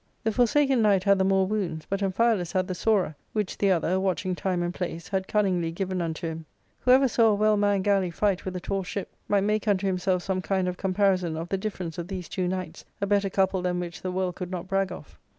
The Forsaken Knight had the more wounds, but Amphialus had the sorer, which the other, watching time and place, had cunningly given unto him. Whoever saw a well manned galley fight with a tall ship might make unto himself some kind of comparison of the difference of these two knights, a better couple than which the world could not brag of.